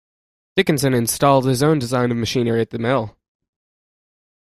Dickinson installed his own design of machinery at the mill.